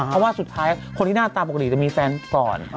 เพราะว่าสุดท้ายคนที่หน้าตาปกติจะมีแฟนก่อน